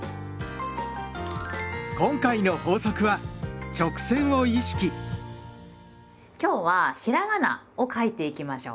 今回の法則は今日はひらがなを書いていきましょう。